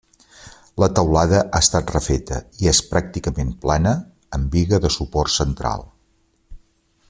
La teulada ha estat refeta, i és pràcticament plana, amb biga de suport central.